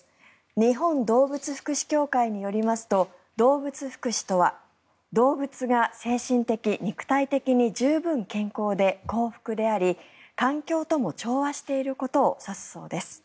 日本動物福祉協会によりますと動物福祉とは動物が精神的、肉体的に十分健康で幸福であり環境とも調和していることを指すそうです。